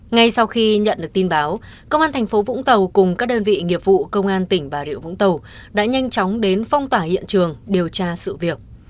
ngay sau khi nhận được tin báo công an thành phố vũng tàu cùng các đơn vị nghiệp vụ công an tỉnh bà rịa vũng tàu đã nhanh chóng đến phong tỏa hiện trường điều tra sự việc